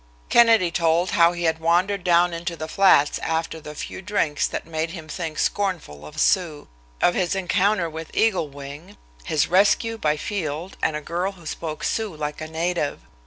Kennedy told how he had wandered down into the flats after "the few dhrinks" that made him think scornful of Sioux; of his encounter with Eagle Wing, his rescue by Field and a girl who spoke Sioux like a native.